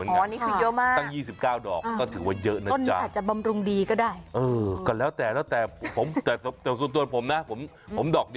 นี่คือยิ